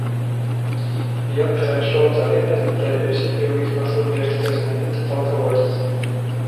Ён перайшоў да рымлян і праявіў сябе ў іх на службе як таленавіты палкаводзец.